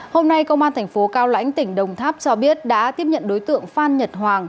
hôm nay công an thành phố cao lãnh tỉnh đồng tháp cho biết đã tiếp nhận đối tượng phan nhật hoàng